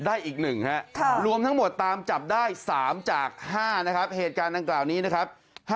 ได้อีกหนึ่งหรือทั้งหมดตามจับได้สามจากห้านะครับเหตุการณ์นั้นกล่าวนี้นะครับ